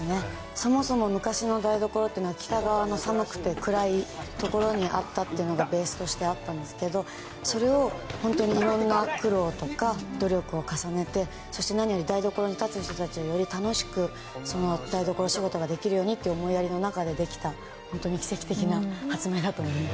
そもそも昔の台所というのは北の暗くて寒いところにあったというのがベースとしてあったんですがそれを色んな苦労とか努力を重ねてそして何より台所に立つ人が、より楽しく台所仕事ができるようにという思いやりの中でできた、本当に奇跡的な発明だと思います。